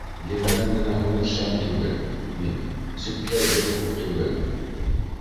Елдән генә һүнер шәм түгел мин, Сүптәй беҙ күп түгел.